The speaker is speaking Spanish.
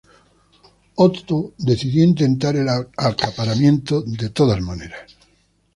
Otto decidió intentar el acaparamiento de todas maneras.